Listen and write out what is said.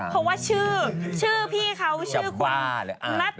ไม่เพราะว่าชื่อพี่เขาชื่อคุณนัทยา